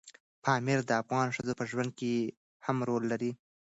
پامیر د افغان ښځو په ژوند کې هم رول لري.